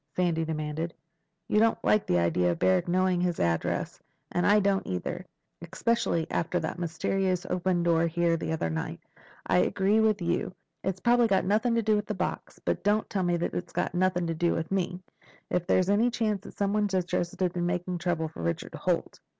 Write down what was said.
Sandy demanded. "You don't like the idea of Barrack knowing his address, and I don't either. Especially after that mysterious open door here the other night. I agree with you. It's probably got nothing to do with the box. But don't tell me it's got nothing to do with me—if there's any chance that somebody's interested in making trouble for Richard Holt."